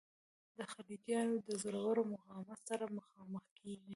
د خلجیانو د زورور مقاومت سره مخامخ کیږو.